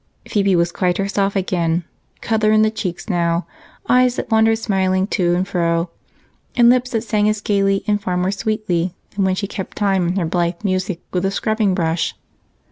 Phebe was quite herself again; color in the cheeks now; eyes that wandered smiling to and fro; and lips that sang as gaily and far more sweetly than when she kept time to her blithe music with a scrubbing brush.